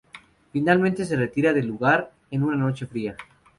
Finalmente se retira del lugar, en una noche fría.